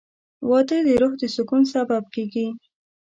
• واده د روح د سکون سبب کېږي.